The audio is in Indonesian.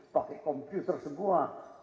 pakai komputer semua